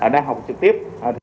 đang học trực tiếp